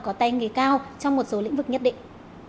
có tay nghề cao trong một số lĩnh vực nhất định